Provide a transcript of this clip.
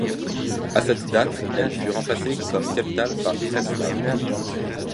À cette date, elle fut remplacée comme capitale par Preslav.